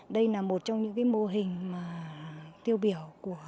đây là một trong những mô hình tiêu biểu